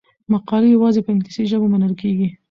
مقالې یوازې په انګلیسي ژبه منل کیږي.